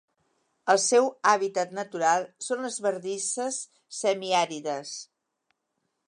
El seu hàbitat natural són les bardisses semiàrides.